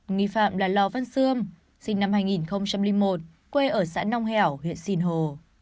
nghi phạm là lò văn sươm sinh năm hai nghìn một quê ở xã nông hẻo huyện sìn hồ